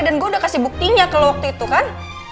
dan gue udah kasih buktinya kalau waktu itu kan